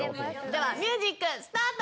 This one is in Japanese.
ではミュージックスタート！